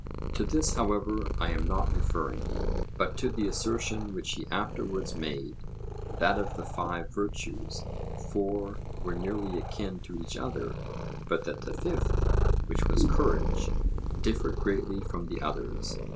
To this, however, I am not referring, but to the assertion which he afterwards made that of the five virtues four were nearly akin to each other, but that the fifth, which was courage, differed greatly from the others.